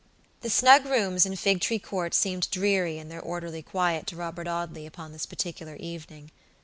The snug rooms in Figtree Court seemed dreary in their orderly quiet to Robert Audley upon this particular evening.